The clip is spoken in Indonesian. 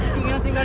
dudung yang tinggal